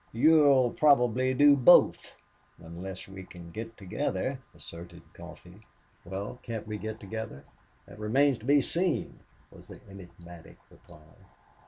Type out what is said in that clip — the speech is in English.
"You'll probably do both unless we can get together," asserted Coffee. "Well, can't we get together?" "That remains to be seen," was the enigmatic reply.